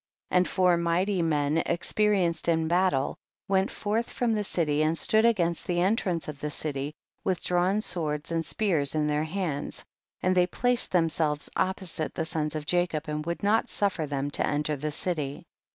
1 1 . And four mighty men, experi enced in battle, went forth from the city and stood against the entrance of the city, with drawn swords and spears in their hands, and they placed themselves opposite the sons of Ja cob, and would not suffer them to enter the citv.